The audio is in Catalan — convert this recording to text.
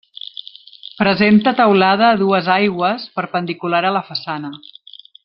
Presenta teulada a dues aigües, perpendicular a la façana.